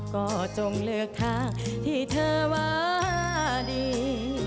ก็จงเลือกทางที่เธอว่าดี